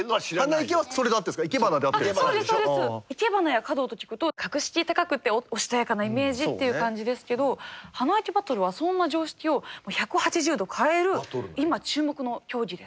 生け花や華道と聞くと格式高くておしとやかなイメージっていう感じですけど花いけバトルはそんな常識を１８０度変える今注目の競技です。